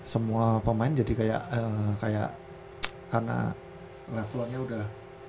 semua pemain jadi kayak karena levelnya udah